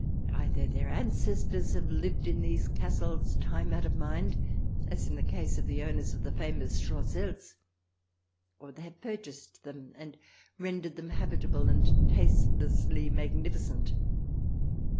Either their ancestors have lived in these castles time out of mind, as in the case of the owners of the famous Schloss Eltz, or they have purchased them and rendered them habitable and tastelessly magnificent.